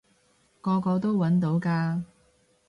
個個都搵到㗎